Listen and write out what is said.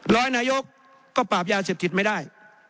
ร้อยนายกก็ปราบยาเสพติดไม่ได้